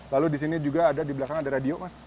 lalu di sini juga ada di belakang ada radio mas